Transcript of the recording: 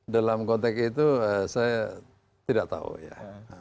dalam konteks itu saya tidak tahu ya